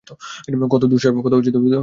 কত দুঃসাহস আপনার!